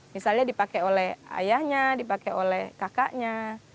misalnya dipakai oleh ayahnya dipakai oleh kakaknya